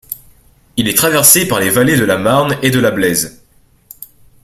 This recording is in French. Il est traversé par les vallées de la Marne et de la Blaise.